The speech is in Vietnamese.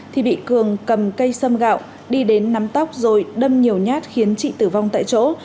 thì bị cường cầm cây sâm gạo đi đến nắm tóc rồi đâm nhiều nhát khiến chị tử vong tại chỗ